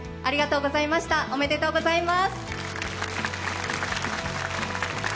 ありがとうございます。